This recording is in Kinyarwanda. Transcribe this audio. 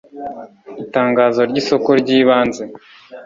itangazo ry isoko ry ibanze